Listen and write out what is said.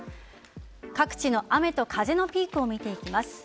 各地の雨と風のピークを見ていきます。